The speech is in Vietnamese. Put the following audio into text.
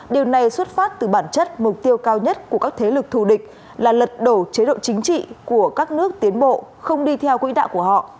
điều này xuất phát từ bản chất mục tiêu cao nhất của các thế lực thù địch là lật đổ chế độ chính trị của các nước tiến bộ không đi theo quỹ đạo của họ